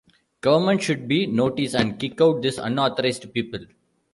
Government should be notice and kick out this unauthorized people.